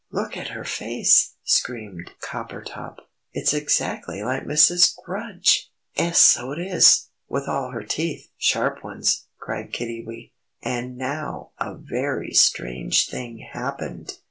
Look at her face!" screamed Coppertop. "It's exactly like Mrs. Grudge!" "'Es, so it is! With all her teeth sharp ones!" cried Kiddiwee. And now a very strange thing happened.